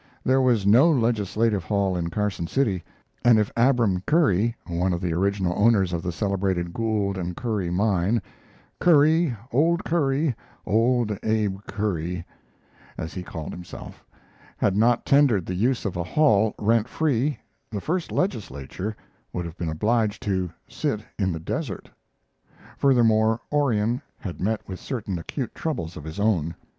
There was no legislative hall in Carson City; and if Abram Curry, one of the original owners of the celebrated Gould and Curry mine "Curry old Curry old Abe Curry," as he called himself had not tendered the use of a hall rent free, the first legislature would have been obliged to "sit in the desert." Furthermore, Orion had met with certain acute troubles of his own.